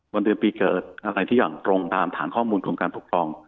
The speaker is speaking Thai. เดือนปีเกิดอะไรที่อย่างตรงตามฐานข้อมูลของการปกครอง